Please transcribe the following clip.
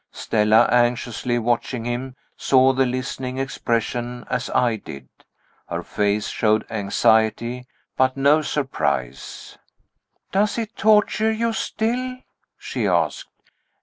Stella, anxiously watching him, saw the listening expression as I did. Her face showed anxiety, but no surprise. "Does it torture you still?" she asked.